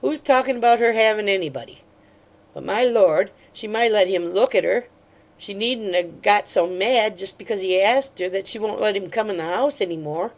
"Who's talkin' about her havin' anybody? But, my Lord! she might let him LOOK at her! She needn't 'a' got so mad, just because he asked her, that she won't let him come in the house any more.